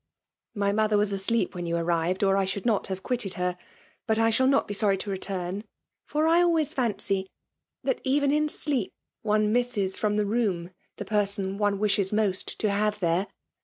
*' My mother was asleep when you arrived^ or I should not have quitted her. But I shall PEMALR DOMINATION. 221 not be sorry to return; — ^fbr I always fancy that, even in sleep> one misses fVom the room the person one wishes most to have there.